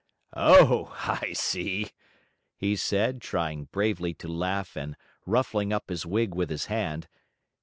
"Oh, I see," he said, trying bravely to laugh and ruffling up his wig with his hand.